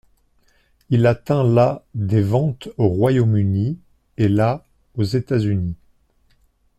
Il atteint la des ventes au Royaume-Uni et la aux États-Unis.